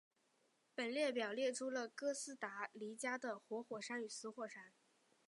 本列表列出了哥斯达黎加的活火山与死火山。